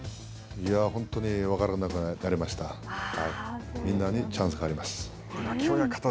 本当に分からなくなりました。